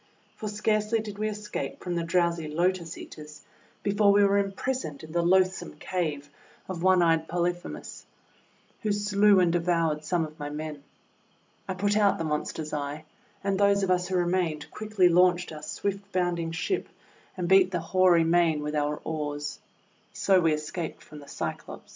For scarcely did we escape from the drowsy Lotus Eaters before we were impris oned in the loathsome cave of one eyed Poly phemus, who slew and devoured some of my men. I put out the monster's eye; and those of us who remained quickly launched our swift bounding ship and beat the hoary main with our oars. So we escaped from the Cyclops.